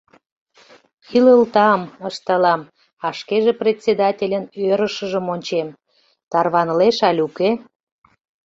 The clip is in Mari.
— Илылтам, — ышталам, а шкеже председательын ӧрышыжым ончем: тарванылеш але уке.